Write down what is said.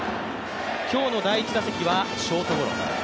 今日の第１打席は、ショートゴロ。